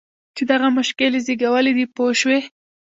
چې دغه مشکل یې زېږولی دی پوه شوې!.